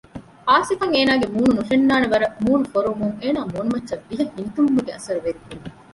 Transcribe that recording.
އާސިފްއަށް އޭނާގެ މޫނު ނުފެންނާނެ ވަރަށް މޫނު ފޮރުވުމުން އޭނާގެ މޫނުމައްޗަށް ވިހަ ހިނިތުންވުމެއްގެ އަސަރު ވެރިކުރުވި